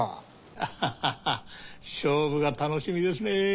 アッハッハ勝負が楽しみですね。